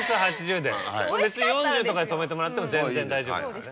別に４０とかで止めてもらっても全然大丈夫です。